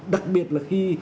đặc biệt là khi